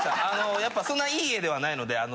あのやっぱそんなにいい家ではないので。